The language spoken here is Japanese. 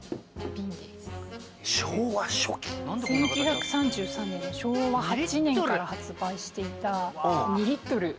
１９３３年昭和８年から発売していた２リットル。